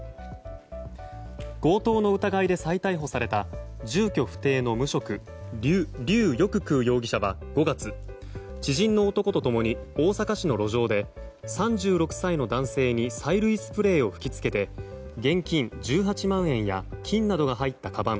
強盗の疑いで再逮捕された住居不定の無職リュウ・ヨククウ容疑者は５月知人の男と共に大阪市の路上で３６歳の男性に催涙スプレーを噴き付けて現金１８万円や金などが入ったかばん